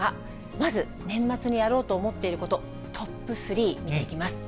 まず、年末にやろうと思っていること、トップ３、見ていきます。